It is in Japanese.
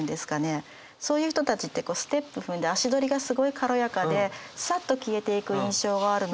そういう人たちってこうステップ踏んで足取りがすごい軽やかでサッと消えていく印象があるので。